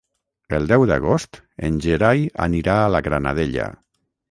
El deu d'agost en Gerai anirà a la Granadella.